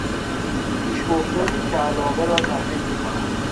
پیشگفتاری که علاقه را تحریک میکند